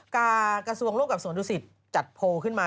กระทรวงร่วมกับสวนดุสิตจัดโพลขึ้นมา